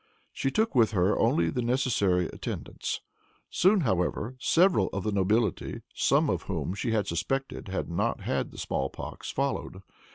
She took with her only the necessary attendants. Soon, however, several of the nobility, some of whom she suspected had not had the small pox, followed.